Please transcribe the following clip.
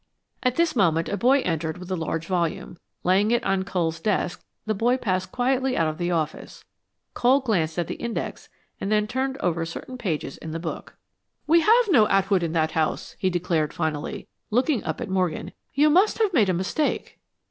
At this moment a boy entered with a large volume. Laying it on Cole's desk, the boy passed quietly out of the office. Cole glanced at the index and then turned over certain pages in the book. "We have no Atwood in that house," he declared, finally, looking up at Morgan. "You must have made a mistake."